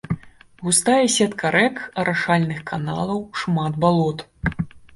Густая сетка рэк і арашальных каналаў, шмат балот.